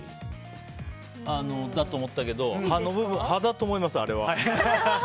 だと思ったけど葉だと思います。